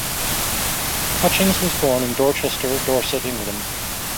Hutchings was born in Dorchester, Dorset, England.